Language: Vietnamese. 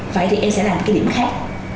vậy thì em sẽ làm cái điểm khác